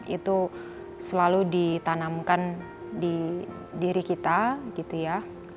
itu selalu ditanamkan di diri kita gitu ya